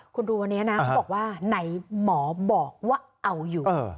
คุณดูวันนี้นะเขาบอกว่าไหนหมอบอกว่าเอาอยู่